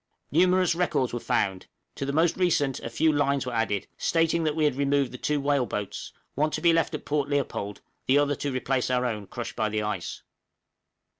Numerous records were found; to the most recent a few lines were added, stating that we had removed the two whale boats one to be left at Port Leopold, the other to replace our own crushed by the ice.